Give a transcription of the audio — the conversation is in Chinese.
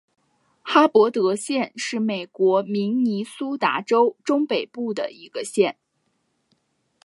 哈伯德县是美国明尼苏达州中北部的一个县。